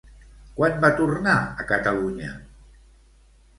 Quan va tornar a Catalunya?